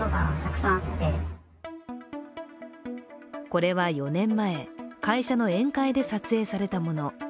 これは４年前、会社の宴会で撮影されたもの。